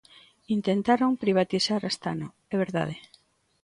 Intentaron privatizar Astano, é verdade.